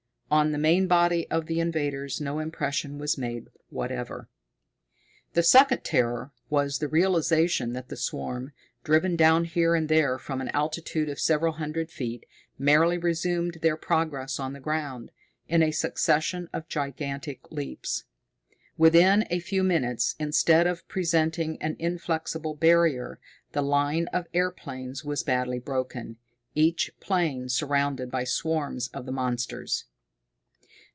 On the main body of the invaders no impression was made whatever. The second terror was the realization that the swarm, driven down here and there from an altitude of several hundred feet, merely resumed their progress on the ground, in a succession of gigantic leaps. Within a few minutes, instead of presenting an inflexible barrier, the line of airplanes was badly broken, each plane surrounded by swarms of the monsters.